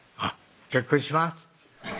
「結婚します」